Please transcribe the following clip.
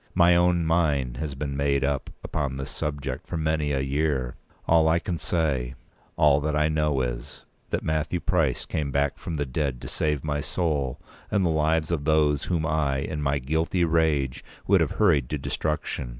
My own mind has been made up upon this subject for many a year. All that I can say—all that I know is—that Matthew Price came back from the dead to save my soul and the lives of those whom I, in my guilty rage, would have hurried to destruction.